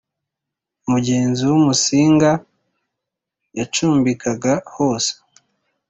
umugenzi w'umusinga yacumbikaga hose